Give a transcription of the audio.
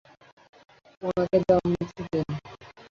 উনাকে দম নিতে দিন!